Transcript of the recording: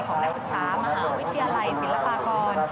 ของลักษณะศึกษามหาวิทยาลัยศิลปากร